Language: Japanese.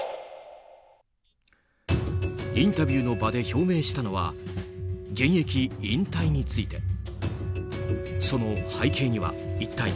インタビューの場で表明したのは現役引退について。